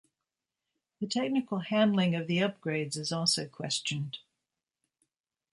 The technical handling of the upgrades is also questioned.